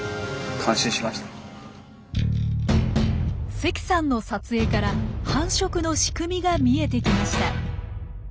関さんの撮影から繁殖の仕組みが見えてきました。